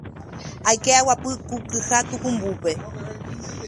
aike aguapy ku kyha tukumbópe